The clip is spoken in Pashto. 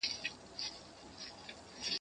خداى وركړي وه سل سره سل خيالونه